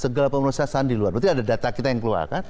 segalau pengurusan di luar berarti ada data kita yang keluar kan